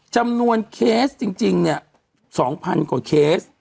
จำนวนเคสจริงเนี่ย๒๐๐๐กว่าเคส